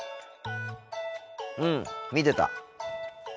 うん見てた。